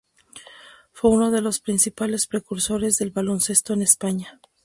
Fue uno de los principales precursores del baloncesto en España.